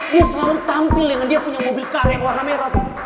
dia selalu tampil dengan dia punya mobil kar yang warna merah